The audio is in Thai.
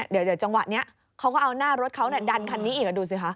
เดี๋ยวจังหวะนี้เขาก็เอาหน้ารถเขาดันคันนี้อีกดูสิคะ